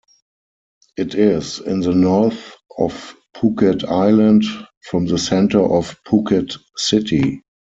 It is in the north of Phuket Island, from the centre of Phuket City.